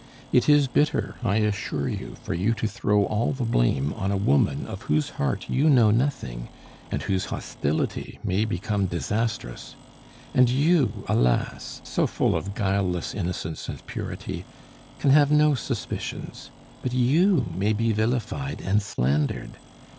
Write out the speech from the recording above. It is bitter, I assure you, for you throw all the blame on a woman of whose heart you know nothing, and whose hostility may become disastrous. And you, alas! so full of guileless innocence and purity, can have no suspicions; but you may be vilified and slandered.